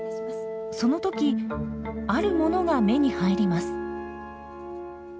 その時あるものが目に入ります。